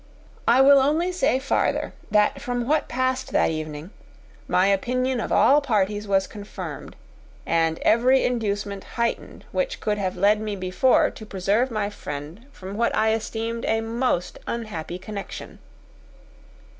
I will only say, farther, that from what passed that evening my opinion of all parties was confirmed, and every inducement heightened, which could have led me before to preserve my friend from what I esteemed a most unhappy connection.